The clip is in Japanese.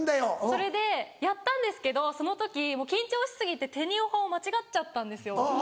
それでやったんですけどその時もう緊張し過ぎて「てにをは」を間違っちゃったんですよ。